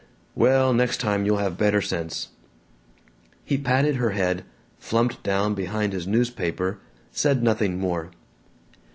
"Well, next time you'll have better sense." He patted her head, flumped down behind his newspaper, said nothing more.